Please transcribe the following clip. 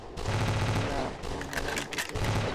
নাহ, আমি এই মুহূর্তে বেশ ক্ষুধার্ত!